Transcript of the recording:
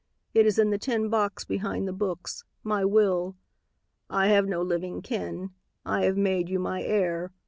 It is in the tin box behind the books, my will. I have no living kin. I have made you my heir.